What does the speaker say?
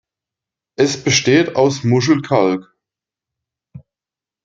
Es besteht aus Muschelkalk.